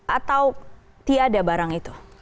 atau tiada barang itu